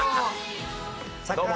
どうも！